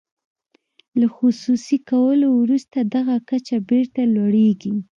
له خصوصي کولو وروسته دغه کچه بیرته لوړیږي.